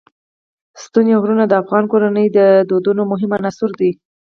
ستوني غرونه د افغان کورنیو د دودونو مهم عنصر دی.